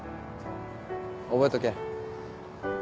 覚えとけ。